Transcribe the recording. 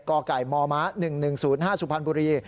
กกมม๑๑๐๕สุพันธ์บุรี